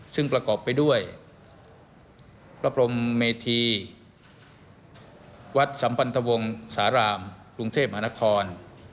ซึ่งประกอบไปด้วยพระพรมเมธีวัดสัมพันธวงศ์สารามกรุงเทพมหานคร